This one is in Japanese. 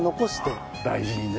大事にね。